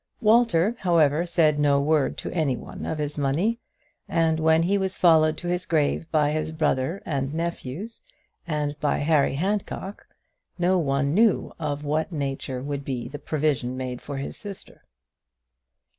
Walter, however, said no word to any one of his money; and when he was followed to his grave by his brother and nephews, and by Harry Handcock, no one knew of what nature would be the provision made for his sister.